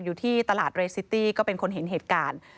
อยู่ที่ตลาดเรซิตี้ก็เป็นคนเห็นเหตุการณ์